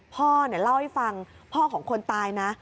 พ่อเนี่ยเล่าให้ฟังพ่อของคนตายนะ